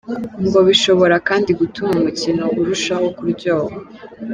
Ngo bishobora kandi gutuma umukino urushaho kuryoha.